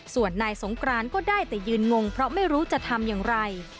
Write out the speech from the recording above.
ส่วนนายสงกรานก็ได้แต่ยืนงงเพราะไม่รู้จะทำอย่างไร